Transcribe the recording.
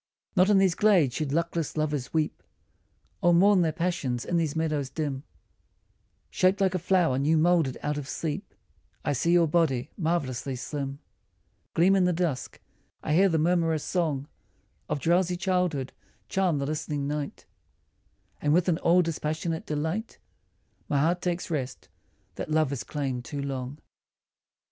Not in these glades should luckless lovers weep Or mourn their passion in these meadows dim : Shaped like a flower new moulded out of sleep I see your body, marvellously slim, Gleam in the dusk, I hear the murmurous song Of drowsy childhood charm the listening night, And with an all dispassionate delight My heart takes rest, that love has claimed too long.